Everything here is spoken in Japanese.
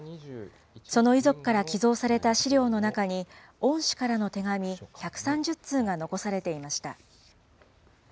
その遺族から寄贈された資料の中に、恩師からの手紙１３０通が残されていました。